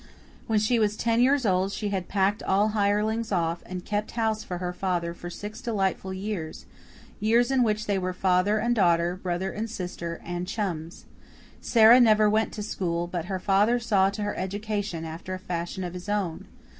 When she was ten years old she had packed all hirelings off, and kept house for her father for six delightful years years in which they were father and daughter, brother and sister, and "chums." Sara never went to school, but her father saw to her education after a fashion of his own.